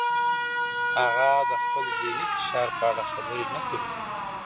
هغه د خپل ذهني فشار په اړه خبرې نه کوي.